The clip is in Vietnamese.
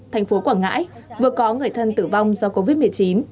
thành phố quảng ngãi vừa có người thân tử vong do covid một mươi chín